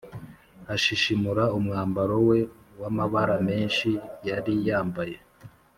ashishimura umwambaro we w’amabara menshi yari yambaye